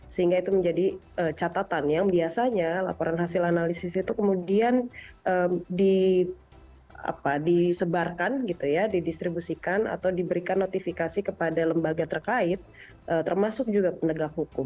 sehingga itu menjadi catatan yang biasanya laporan hasil analisis itu kemudian disebarkan gitu ya didistribusikan atau diberikan notifikasi kepada lembaga terkait termasuk juga penegak hukum